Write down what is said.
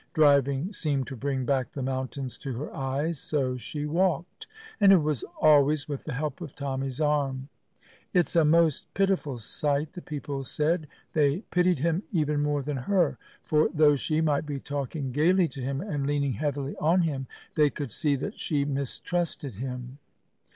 Driving seemed to bring back the mountains to her eyes, so she walked, and it was always with the help of Tommy's arm. "It's a most pitiful sight," the people said. They pitied him even more than her, for though she might be talking gaily to him and leaning heavily on him, they could see that she mistrusted him.